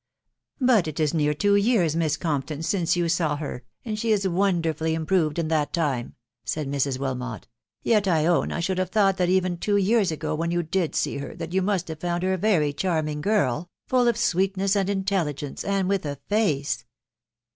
" But it is near two years, Miss Compton, since you saw her, and she is wonderfully improved in that time," said Mrs. Wilmot. ..." Yet I own I should have thought that even then, two years ago, when you did see her, that you must have found her a very charming girl, full of sweetness and intelligence, and with a face.